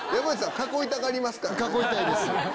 囲いたいです。